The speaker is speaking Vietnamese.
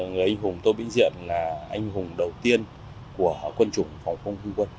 người anh hùng tô vĩnh diện là anh hùng đầu tiên của quân chủ phòng không quân